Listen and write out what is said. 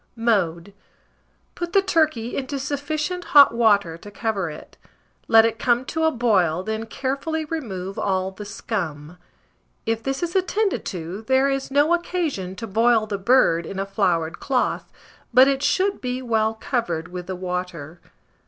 ] Mode. Put the turkey into sufficient hot water to cover it; let it come to a boil, then carefully remove all the scum: if this is attended to, there is no occasion to boil the bird in a floured cloth; but it should be well covered with the water.